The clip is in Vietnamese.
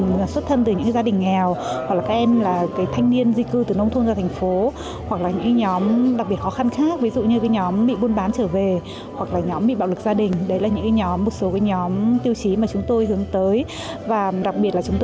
mình đã trở thành một khách sạn hạng sàng